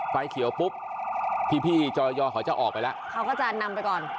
ไฟเขียวปุ๊บพี่พี่จอยอเขาจะออกไปแล้วเขาก็จะนำไปก่อน